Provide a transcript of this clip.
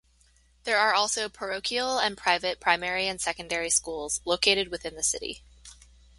There are also parochial and private primary and secondary schools located within the city.